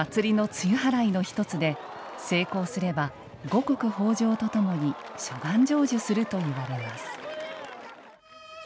祭りの露払いの一つで成功すれば五穀豊じょうとともに諸願成就するといわれます。